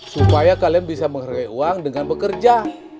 supaya kalian bisa menghargai uang dengan bekerja